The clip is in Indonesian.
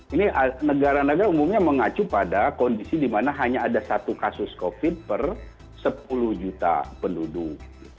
ini negara negara umumnya mengacu pada kondisi dimana hanya ada satu kasus covid sembilan belas per sepuluh juta penduduk